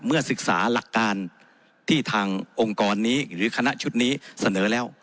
เมื่อศึกษาหลักการที่ทางองค์กรนี้หรือคณะชุดนี้เสนอแล้ว